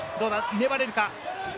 粘れるか？